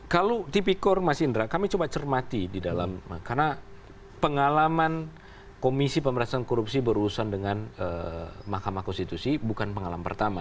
kalau tipikor mas indra kami coba cermati di dalam karena pengalaman komisi pemerintahan korupsi berurusan dengan mahkamah konstitusi bukan pengalaman pertama